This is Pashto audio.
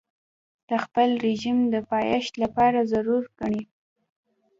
د خپل رژیم د پایښت لپاره ضرور ګڼي.